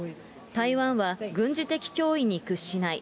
台湾は軍事的脅威に屈しない。